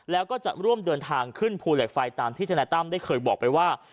แล้วก็จะร่วมเดินทางขึ้นภูเหล็กไฟตามที่ธนายตั้มได้เคยบอกไปว่า